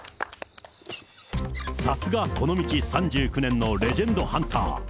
さすがこの道３９年のレジェンドハンター。